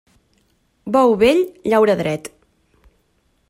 Bou vell llaura dret.